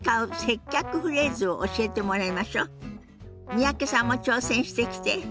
三宅さんも挑戦してきて。